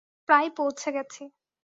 প্রায় পৌঁছে গেছি!